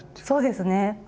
そうですね。